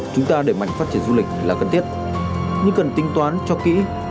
chúng ta để mạnh phát triển du lịch là cần thiết nhưng cần tính toán cho kỹ